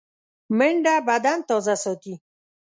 منډه بدن تازه ساتي